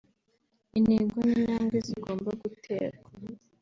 intego n’intambwe zigomba guterwa